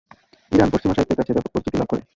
Iran পশ্চিমা সাহিত্যের কাছে ব্যাপক পরিচিতি লাভ করে।